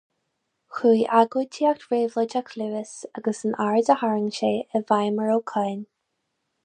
Chuaigh agóidíocht réabhlóideach Lewis, agus an aird a tharraing sé, i bhfeidhm ar Ó Cadhain.